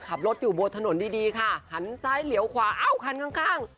ขับรถอยู่บนถนนดีดีค่ะหันซ้ายเหลียวขวาเอ้าคันข้าง